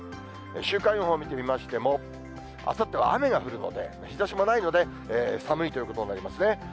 週間予報見てみましても、あさっては雨が降るので、日ざしもないので、寒いということになりますね。